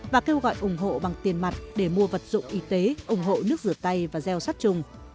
và kêu gọi ủng hộ bằng tiền mặt để mua vật dụng y tế ủng hộ nước rửa tay và gieo sát trùng